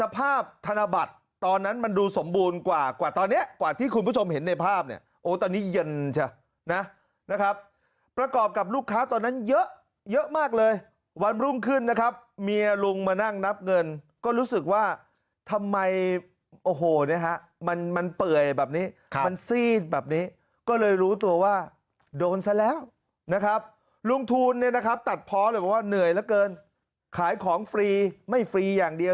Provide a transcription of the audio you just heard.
มันดูสมบูรณ์กว่าตอนนี้กว่าที่คุณผู้ชมเห็นในภาพเนี่ยโอ้ตอนนี้เย็นเฉยนะครับประกอบกับลูกค้าตอนนั้นเยอะเยอะมากเลยวันรุ่งขึ้นนะครับเมียลุงมานั่งนับเงินก็รู้สึกว่าทำไมโอ้โหเนี่ยฮะมันเปื่อยแบบนี้มันซีดแบบนี้ก็เลยรู้ตัวว่าโดนซะแล้วนะครับลุงทูลเนี่ยนะครับตัดพอเลยว่าเหนื่อย